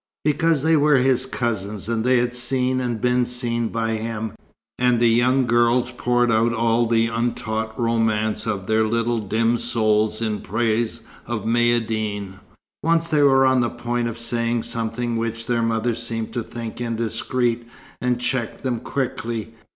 Because they were his cousins they had seen and been seen by him, and the young girls poured out all the untaught romance of their little dim souls in praise of Maïeddine. Once they were on the point of saying something which their mother seemed to think indiscreet, and checked them quickly.